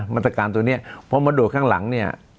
มัตการตัวเนี่ยเพราะมาโดดข้างหลังเนี่ย